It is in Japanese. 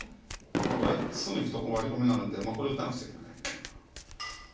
これすぐいくとワリコミがあるんでこれ打たなくちゃいけない。